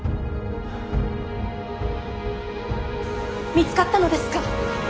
見つかったのですか？